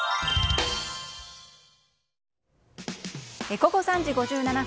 午後３時５５分。